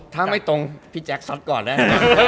ถ้าไม่ตรงพี่แจ๊คซอสก่อนเลย